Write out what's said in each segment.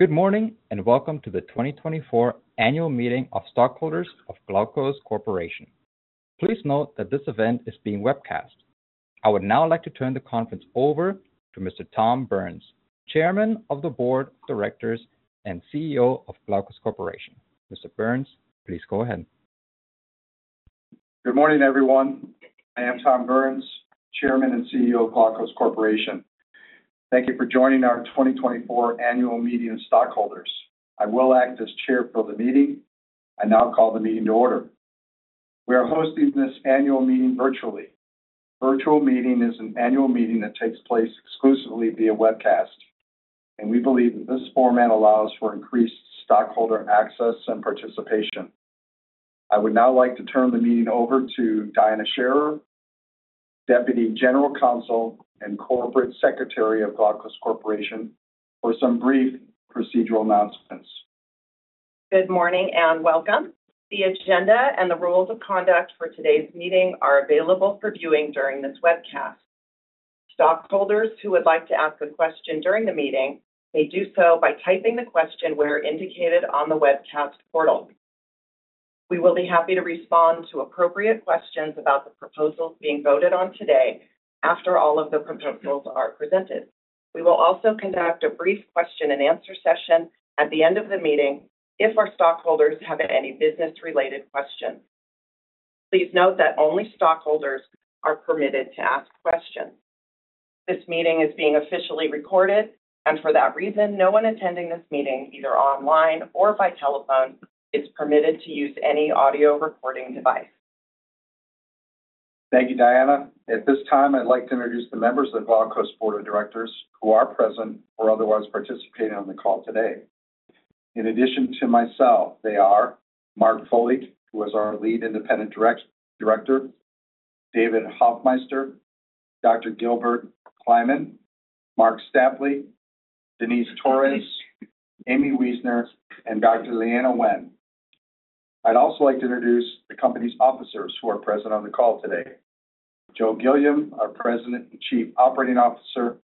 Good morning, and welcome to the 2024 Annual Meeting of Stockholders of Glaukos Corporation. Please note that this event is being webcast. I would now like to turn the conference over to Mr. Tom Burns, Chairman of the Board of Directors and CEO of Glaukos Corporation. Mr. Burns, please go ahead. Good morning, everyone. I am Tom Burns, Chairman and CEO of Glaukos Corporation. Thank you for joining our 2024 Annual Meeting of Stockholders. I will act as chair for the meeting. I now call the meeting to order. We are hosting this annual meeting virtually. Virtual meeting is an annual meeting that takes place exclusively via webcast, and we believe that this format allows for increased stockholder access and participation. I would now like to turn the meeting over to Diana Scherer, Deputy General Counsel and Corporate Secretary of Glaukos Corporation, for some brief procedural announcements. Good morning, and welcome. The agenda and the rules of conduct for today's meeting are available for viewing during this webcast. Stockholders who would like to ask a question during the meeting, may do so by typing the question where indicated on the webcast portal. We will be happy to respond to appropriate questions about the proposals being voted on today after all of the proposals are presented. We will also conduct a brief question and answer session at the end of the meeting if our stockholders have any business-related questions. Please note that only stockholders are permitted to ask questions. This meeting is being officially recorded, and for that reason, no one attending this meeting, either online or by telephone, is permitted to use any audio recording device. Thank you, Diana. At this time, I'd like to introduce the members of the Glaukos Board of Directors who are present or otherwise participating on the call today. In addition to myself, they are Mark Foley, who is our Lead Independent Director, David Hoffmeister, Dr. Gilbert Kliman, Marc Stapley, Denice Torres, Aimee Weisner, and Dr. Leana Wen. I'd also like to introduce the company's officers who are present on the call today. Joe Gilliam, our President and Chief Operating Officer,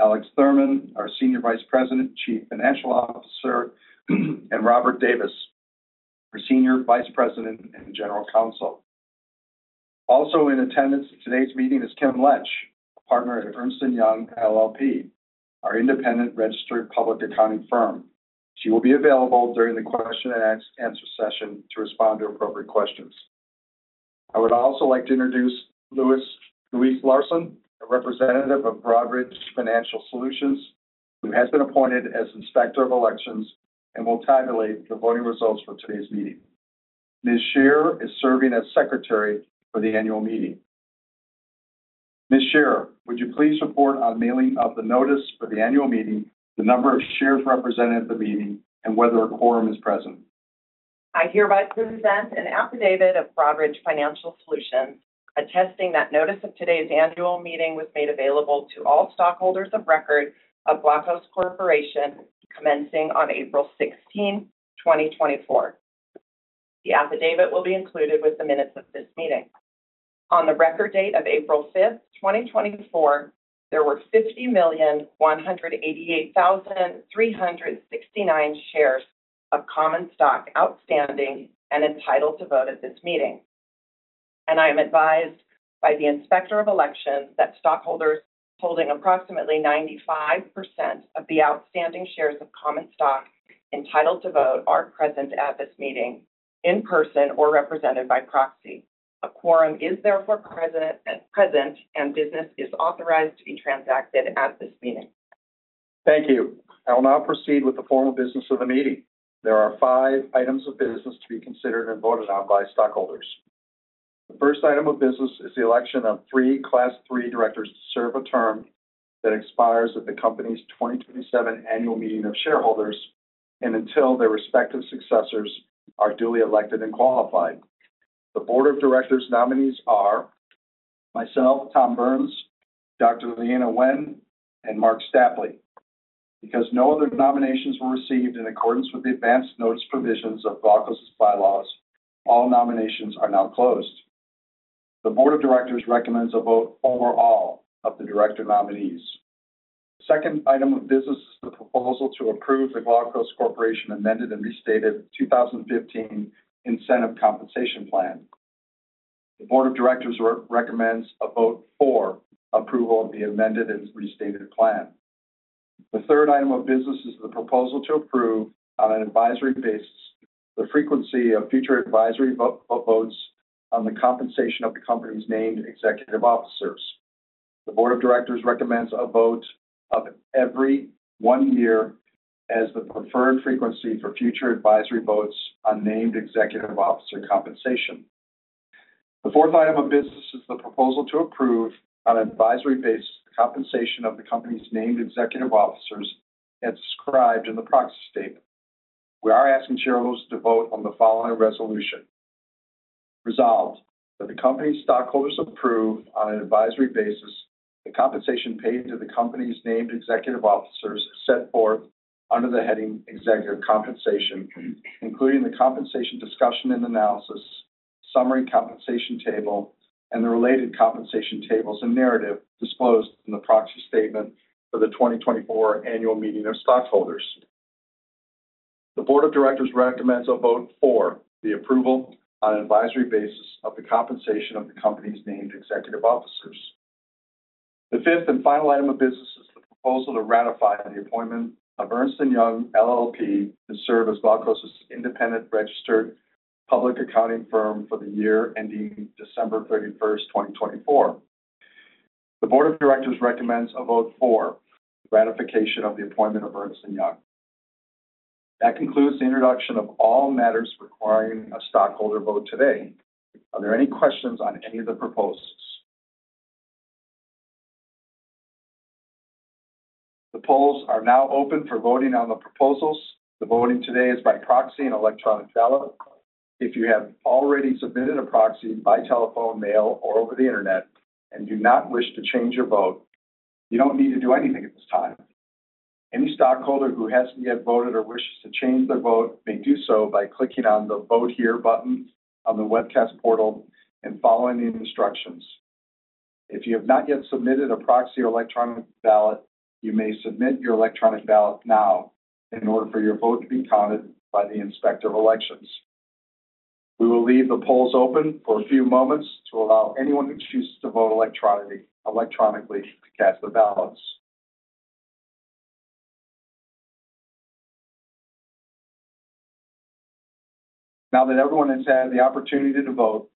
Alex Thurman, our Senior Vice President and Chief Financial Officer, and Robert Davis, our Senior Vice President and General Counsel. Also in attendance at today's meeting is Kim Letch, a partner at Ernst & Young LLP, our independent registered public accounting firm. She will be available during the question and answer session to respond to appropriate questions. I would also like to introduce Louis Larson, a representative of Broadridge Financial Solutions, who has been appointed as Inspector of Elections and will tabulate the voting results for today's meeting. Ms. Scherer is serving as Secretary for the annual meeting. Ms. Scherer, would you please report on mailing of the notice for the annual meeting, the number of shares represented at the meeting, and whether a quorum is present? I hereby present an affidavit of Broadridge Financial Solutions, attesting that notice of today's annual meeting was made available to all stockholders of record of Glaukos Corporation, commencing on April 16, 2024. The affidavit will be included with the minutes of this meeting. On the record date of April 5, 2024, there were 50,188,369 shares of common stock outstanding and entitled to vote at this meeting. I am advised by the Inspector of Elections that stockholders holding approximately 95% of the outstanding shares of common stock entitled to vote are present at this meeting in person or represented by proxy. A quorum is therefore present, and business is authorized to be transacted at this meeting. Thank you. I will now proceed with the formal business of the meeting. There are five items of business to be considered and voted on by stockholders. The first item of business is the election of three Class III directors to serve a term that expires at the company's 2027 Annual Meeting of Shareholders, and until their respective successors are duly elected and qualified. The board of directors nominees are myself, Tom Burns, Dr. Leana Wen, and Marc Stapley. Because no other nominations were received in accordance with the advance notice provisions of Glaukos' bylaws, all nominations are now closed. The board of directors recommends a vote for all of the director nominees. The second item of business is the proposal to approve the Glaukos Corporation Amended and Restated 2015 Incentive Compensation Plan. The board of directors recommends a vote for approval of the amended and restated plan. The third item of business is the proposal to approve, on an advisory basis, the frequency of future advisory vote, votes on the compensation of the company's named executive officers. The board of directors recommends a vote of every 1 year as the preferred frequency for future advisory votes on named executive officer compensation. The fourth item of business is the proposal to approve, on an advisory basis, the compensation of the company's named executive officers as described in the proxy statement. We are asking shareholders to vote on the following resolution. Resolved, that the company's stockholders approve on an advisory basis, the compensation paid to the company's named executive officers set forth under the heading Executive Compensation, including the compensation discussion and analysis, summary compensation table and the related compensation tables and narrative disclosed in the proxy statement for the 2024 annual meeting of stockholders. The board of directors recommends a vote for the approval on an advisory basis of the compensation of the company's named executive officers. The fifth and final item of business is the proposal to ratify the appointment of Ernst & Young LLP to serve as Glaukos' independent registered public accounting firm for the year ending December 31st, 2024. The board of directors recommends a vote for ratification of the appointment of Ernst & Young LLP. That concludes the introduction of all matters requiring a stockholder vote today. Are there any questions on any of the proposals? The polls are now open for voting on the proposals. The voting today is by proxy and electronic ballot. If you have already submitted a proxy by telephone, mail, or over the Internet and do not wish to change your vote, you don't need to do anything at this time. Any stockholder who hasn't yet voted or wishes to change their vote, may do so by clicking on the Vote Here button on the webcast portal and following the instructions. If you have not yet submitted a proxy or electronic ballot, you may submit your electronic ballot now in order for your vote to be counted by the Inspector of Elections. We will leave the polls open for a few moments to allow anyone who chooses to vote electronically to cast their ballots. Now that everyone has had the opportunity to vote,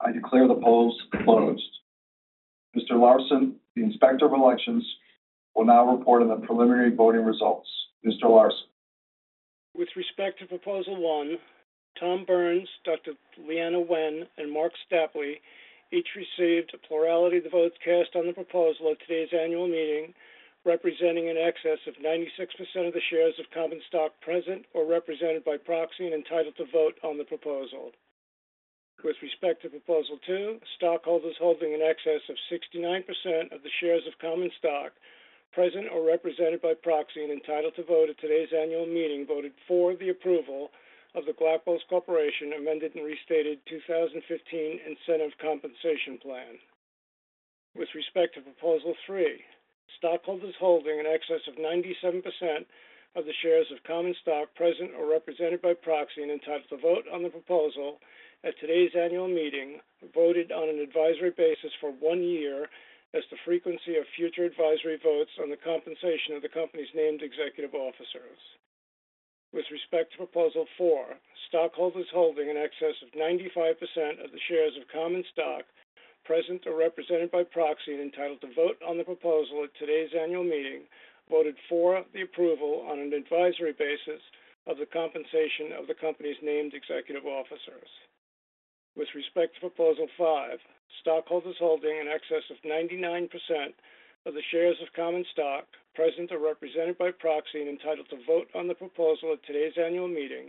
I declare the polls closed. Mr. Larson, the Inspector of Elections, will now report on the preliminary voting results. Mr. Larson? With respect to proposal one, Tom Burns, Dr. Leana Wen, and Marc Stapley each received a plurality of the votes cast on the proposal at today's annual meeting, representing in excess of 96% of the shares of common stock present or represented by proxy, and entitled to vote on the proposal. With respect to proposal two, stockholders holding in excess of 69% of the shares of common stock present or represented by proxy and entitled to vote at today's annual meeting, voted for the approval of the Glaukos Corporation amended and restated 2015 Incentive Compensation Plan. With respect to proposal three, stockholders holding in excess of 97% of the shares of common stock present or represented by proxy and entitled to vote on the proposal at today's annual meeting, voted on an advisory basis for one year as the frequency of future advisory votes on the compensation of the company's named executive officers. With respect to proposal four, stockholders holding in excess of 95% of the shares of common stock present or represented by proxy and entitled to vote on the proposal at today's annual meeting, voted for the approval on an advisory basis of the compensation of the company's named executive officers. With respect to proposal five, stockholders holding in excess of 99% of the shares of common stock present or represented by proxy and entitled to vote on the proposal at today's annual meeting,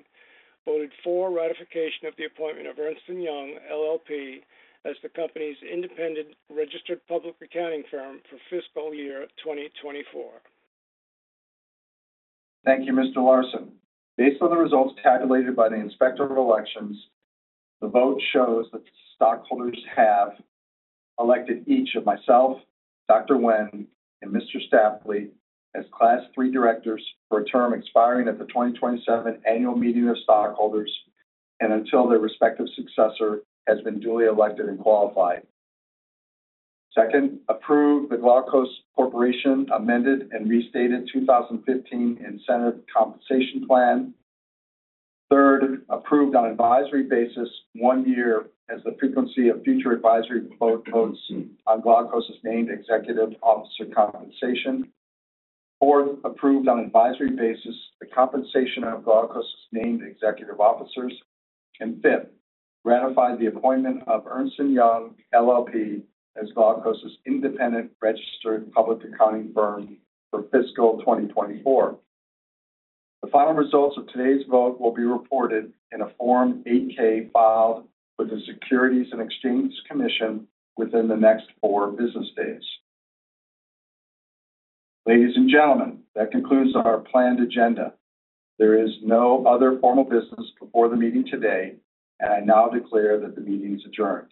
voted for ratification of the appointment of Ernst & Young LLP as the company's independent registered public accounting firm for fiscal year 2024. Thank you, Mr. Larson. Based on the results tabulated by the Inspector of Elections, the vote shows that stockholders have elected each of myself, Dr. Wen, and Mr. Stapley as Class III directors for a term expiring at the 2027 annual meeting of stockholders, and until their respective successor has been duly elected and qualified. Second, approved the Glaukos Corporation amended and restated 2015 Incentive Compensation Plan. Third, approved on advisory basis one year as the frequency of future advisory vote on Glaukos' named executive officer compensation. Fourth, approved on advisory basis, the compensation of Glaukos' named executive officers. Fifth, ratified the appointment of Ernst & Young, LLP, as Glaukos' independent registered public accounting firm for fiscal 2024. The final results of today's vote will be reported in a Form 8-K filed with the Securities and Exchange Commission within the next four business days. Ladies and gentlemen, that concludes our planned agenda. There is no other formal business before the meeting today, and I now declare that the meeting is adjourned.